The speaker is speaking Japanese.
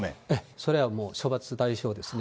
それはもう、処罰対象ですね。